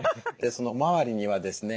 その周りにはですね